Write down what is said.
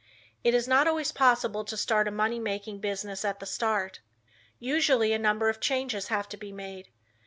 It is not always possible to start a money making business at the start. Usually a number of changes have to be made.